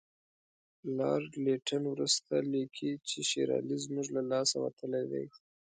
لارډ لیټن وروسته لیکي چې شېر علي زموږ له لاسه وتلی دی.